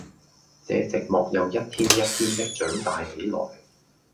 這寂寞又一天一天的長大起來，